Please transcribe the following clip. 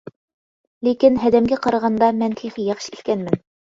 لېكىن، ھەدەمگە قارىغاندا مەن تېخى ياخشى ئىكەنمەن.